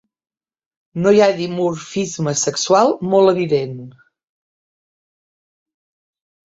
No hi ha dimorfisme sexual molt evident.